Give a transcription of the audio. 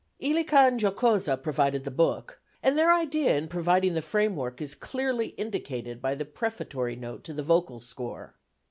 Illica and Giocosa provided the book, and their idea in providing the framework is clearly indicated by the prefatory note to the vocal score.